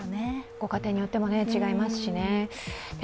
ご家庭によっても違いますしね。